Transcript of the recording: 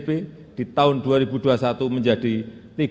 kebijakan fiskal indonesia juga semakin terkendali dan mencapai tiga satu persen